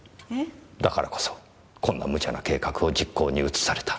だからこそこんな無茶な計画を実行に移された。